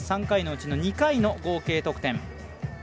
３回のうち２回の合計得点。